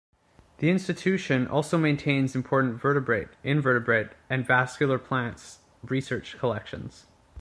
The institution also maintains important vertebrate, invertebrate, and vascular plants research collections.